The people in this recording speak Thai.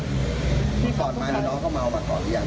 พี่สอดมาแล้วน้องเขาเมามาสอดอีกอย่างหรือว่าปกติไม่เมา